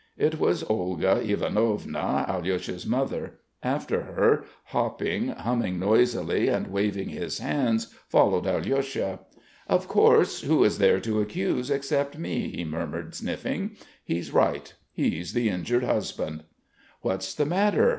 It was Olga Ivanovna, Alyosha's mother. After her, hopping, humming noisily, and waving his hands, followed Alyosha. "Of course, who is there to accuse except me?" he murmured, sniffing. "He's right, he's the injured husband." "What's the matter?"